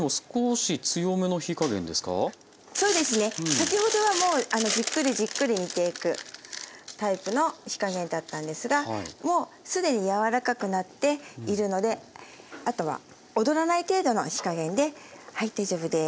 先ほどはじっくりじっくり煮ていくタイプの火加減だったんですがもう既に柔らかくなっているのであとは躍らない程度の火加減で大丈夫です。